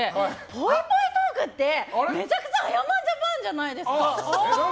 ぽいぽいトークってめちゃくちゃあやまんＪＡＰＡＮじゃないですか！